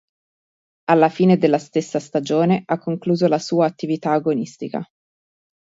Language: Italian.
Alla fine della stessa stagione ha concluso la sua attività agonistica.